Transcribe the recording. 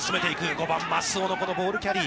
５番、舛尾のこのボールキャリー。